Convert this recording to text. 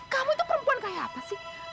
kamu gak mau melepaskan orang sebaik kamu